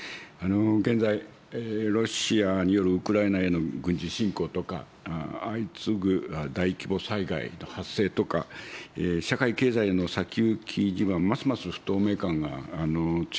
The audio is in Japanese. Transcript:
現在、ロシアによるウクライナへの軍事侵攻とか、相次ぐ大規模災害の発生とか、社会、経済の先行きにはますます不透明感が強まってございます。